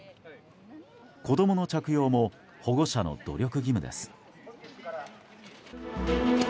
子供の着用も保護者の努力義務です。